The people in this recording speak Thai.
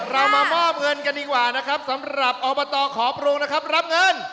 เรามามอบเงินกันดีกว่านะครับสำหรับอบตขอปรุงนะครับรับเงิน